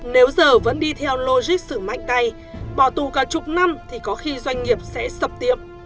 nếu giờ vẫn đi theo logic xử mạnh tay bỏ tù cả chục năm thì có khi doanh nghiệp sẽ sập tiệm